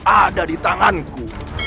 ada di tanganku